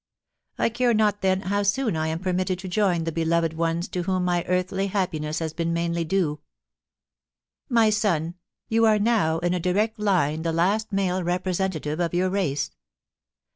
I care not then how soon I am permitted to join the beloved ones to whom my earthly happiness has been mainly due. * My son, you are now in a direct line the last male repre sentative of your race.